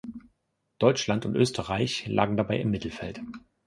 Deutschland und Österreich lagen dabei im Mittelfeld.